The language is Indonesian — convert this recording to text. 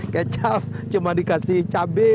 kecap cuma dikasih cabai